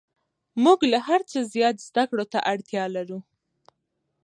موږ له هر څه زیات زده کړو ته اړتیا لرو